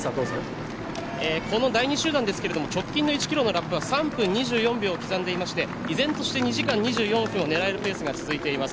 この第２集団ですけど直近の１キロラップが３分２４秒を刻んでいまして依然として２時間２４分を刻めるペースが続いています。